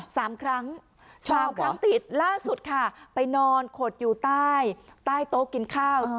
สามครั้งสามครั้งติดล่าสุดค่ะไปนอนขดอยู่ใต้ใต้โต๊ะกินข้าว